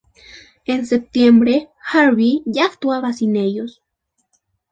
En septiembre, Harvey ya actuaba sin ellos.